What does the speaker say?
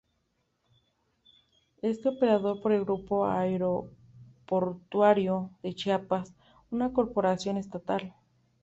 Es operado por el Grupo Aeroportuario de Chiapas, una corporación estatal.